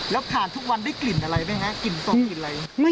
แล้วผ่านทุกวันได้กลิ่นอะไรไหมฮะกลิ่นศพกลิ่นอะไร